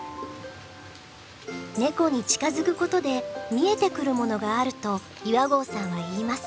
ネコに近づくことで見えてくるものがあると岩合さんは言います。